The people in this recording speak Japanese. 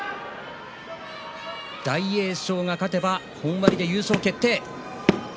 大栄翔が勝てば本割で優勝決定。